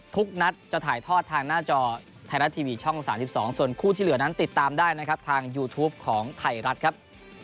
ทุกนัดจะถ่ายทอดทางหน้าจอไทยรัฐทีวีช่อง๓๒ส่วนคู่ที่เหลือนั้นติดตามได้นะครับทางยูทูปของไทยรัฐครับ